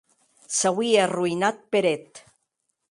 S’auie arroïnat per eth.